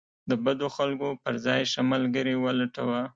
د بد خلکو پر ځای ښه ملګري ولټوه.